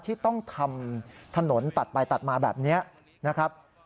ที่ต้องทำถนนตัดไปตัดมาแบบนี้นะครับ